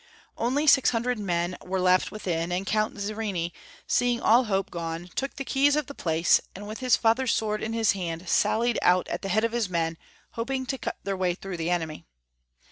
Only six hundred men were left withm, and Count Zrini, seeing all hoj^e gone, took the keys of the place, and with liis father's sword in his hand sallied out at the head of his men, hoping to cut their way through the enemy.